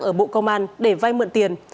ở bộ công an để vay mượn tiền